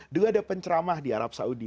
dulu ada penceramah di arab saudi